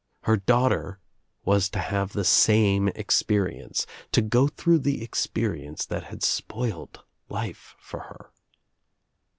Her daughter was to have the same ex perience, to go through the experience that had spoiled life for her.